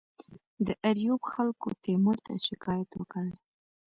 د آریوب خلکو تیمور ته شکایت وکړ.